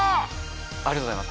ありがとうございます